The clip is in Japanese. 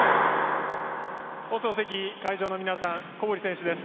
放送席、会場の皆さん小堀選手です。